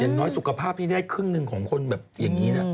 อย่างน้อยสุขภาพที่ได้ครึ่งหนึ่งของคนแบบอย่างนี้นะ